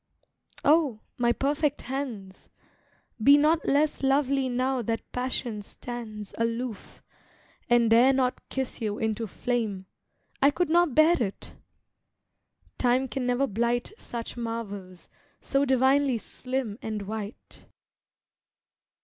Oh! my perfect hands! Be not less lovely now that passion stands Aloof, and dare not kiss you into flame— I could not bear it! Time can never blight Such marvels, so divinely slim and white.